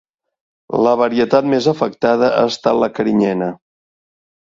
La varietat més afectada ha estat la carinyena.